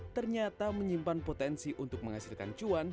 ternyata menyimpan potensi untuk menghasilkan cuan